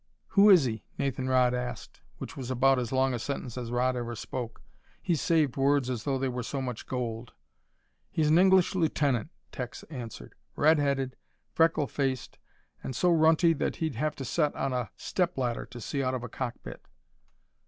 "Who is he?" Nathan Rodd asked, which was about as long a sentence as Rodd ever spoke. He saved words as though they were so much gold. "He's an English lieutenant," Tex answered. "Red headed, freckle faced, and so runty that he'd have to set on a stepladder to see out of a cockpit."